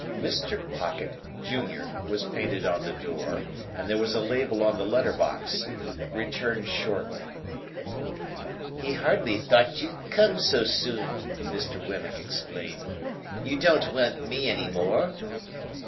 MR. POCKET, JUN., was painted on the door, and there was a label on the letter box, "Return shortly." "He hardly thought you'd come so soon," Mr. Wemmick explained. "You don't want me any more?"